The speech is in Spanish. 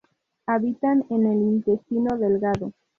Habitan en el Intestino delgado.